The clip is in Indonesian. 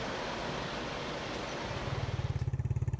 di mana ada beberapa kota yang berada di kota